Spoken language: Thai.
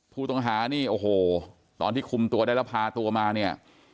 ผู้ต้องหานี่โอ้โหตอนที่คุมตัวได้แล้วพาตัวมาเนี่ย